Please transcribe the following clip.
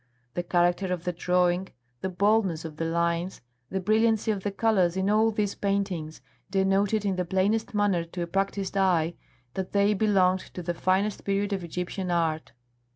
The character of the drawing, the boldness of the lines, the brilliancy of the colours in all these paintings denoted in the plainest manner to a practised eye that they belonged to the finest period of Egyptian art.